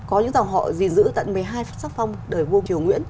có những dòng họ gìn giữ tận một mươi hai phát xác phong đời vua triều nguyễn